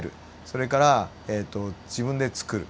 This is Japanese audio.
それから自分でつくる。